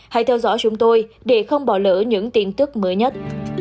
hãy theo dõi chúng tôi để không bỏ lỡ những tin tức mới nhất